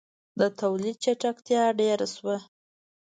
• د تولید چټکتیا ډېره شوه.